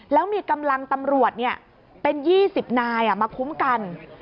แล้วมีกำลังตำรวจเป็น๒๐นายมาคุ้มกัน